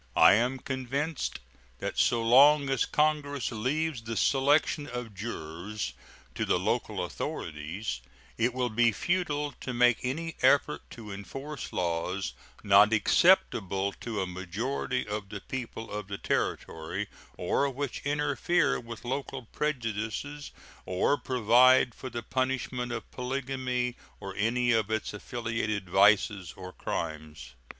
I am convinced that so long as Congress leaves the selection of jurors to the local authorities it will be futile to make any effort to enforce laws not acceptable to a majority of the people of the Territory, or which interfere with local prejudices or provide for the punishment of polygamy or any of its affiliated vices or crimes.